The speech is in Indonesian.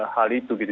hal itu gitu